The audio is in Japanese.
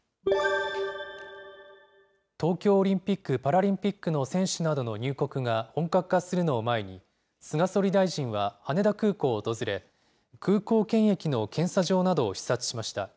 東京オリンピック・パラリンピックの選手などの入国が本格化するのを前に、菅総理大臣は羽田空港を訪れ、空港検疫の検査場などを視察しました。